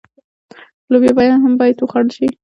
لوبیا هم باید وخوړل شي.